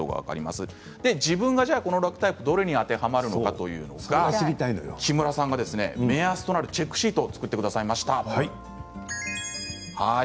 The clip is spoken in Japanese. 自分がどれに当てはまるのかということなんですけれど木村さんが目安となるチェックシートを作ってくださいました。